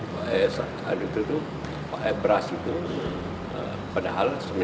padahal sebenarnya tidak